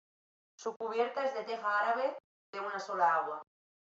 Su cubierta es de teja árabe de una sola agua.